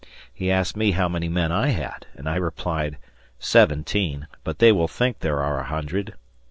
He asked me how many men I had, and I replied, "Seventeen, but they will think there are a hundred."